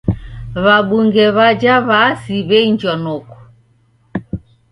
W'abunge w'aja w'aasi w'einjwa noko.